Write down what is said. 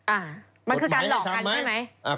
อ่ามันคือการหลอกกันใช่ไหม